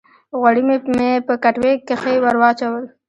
غوړي مې په کټوۍ کښې ور واچول